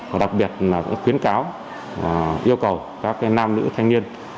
và đặc biệt là cũng khuyến cáo yêu cầu các nam nữ thanh niên